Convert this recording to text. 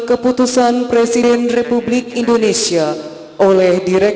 menyanyikan lagu kebangsaan indonesia raya